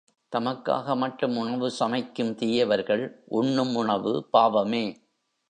தமக்காக மட்டும் உணவு சமைக்கும் தீயவர்கள் உண்ணும் உணவு பாவமே.